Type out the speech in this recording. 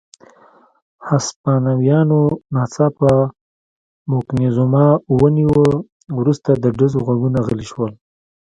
هسپانویانو ناڅاپه موکتیزوما ونیوه، وروسته د ډزو غږونه غلي شول.